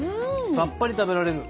さっぱり食べられる。